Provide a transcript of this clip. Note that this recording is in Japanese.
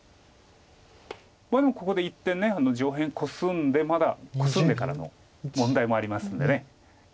まあでもここで一転上辺コスんでまだコスんでからの問題もありますんで。